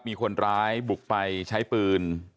มีคนร้ายบุกไปใช้ปืน